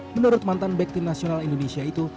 menurut mantan back tim nasional indonesia itu